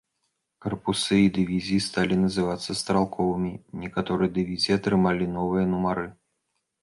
Карпусы і дывізіі сталі называцца стралковымі, некаторыя дывізіі атрымалі новыя нумары.